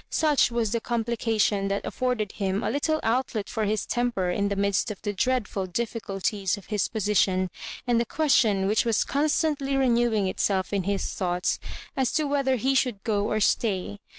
Such was the complication that afiforded him a little outlet for his temper in the midst of the dreadful difficulties of his po sition, and the question which was constantly renewing itself in his thoughts, as to whether he should go or stay.